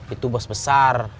itu bos besar